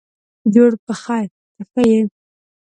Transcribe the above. جوړ په خیرته ښه یې.